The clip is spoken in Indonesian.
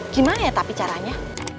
gimana ya tapi caranya